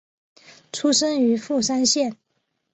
出身于富山县。